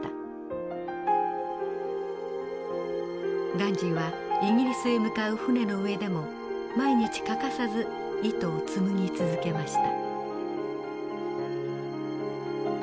ガンジーはイギリスへ向かう船の上でも毎日欠かさず糸を紡ぎ続けました。